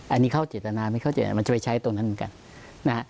อันนี้เข้าจิตนาไม่เข้าจิตนามันจะไปใช้ตรงนั้นเหมือนกัน